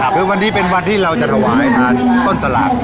คือวันนี้เป็นวันที่เราจะถวายทานต้นสลาก